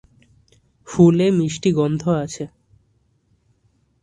ফুলে মিষ্টি গন্ধ আছে।